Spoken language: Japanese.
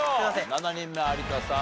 ７人目有田さん